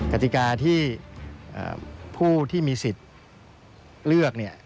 กติกาที่ผู้ที่มีสิทธิ์เลือกเนี่ย